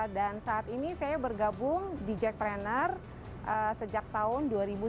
dan saat ini saya bergabung di jack trainer sejak tahun dua ribu sembilan belas